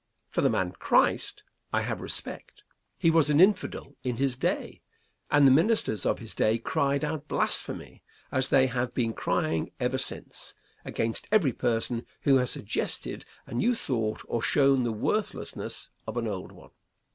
For the man Christ I have respect. He was an infidel in his day, and the ministers of his day cried out blasphemy, as they have been crying ever since, against every person who has suggested a new thought or shown the worthlessness of an old one.